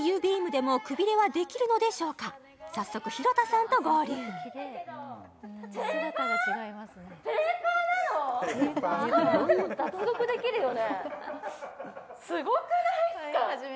でもくびれはできるのでしょうか早速廣田さんと合流すごくない？